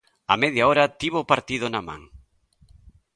Á media hora tivo o partido na man.